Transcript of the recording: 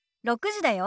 ６時だよ。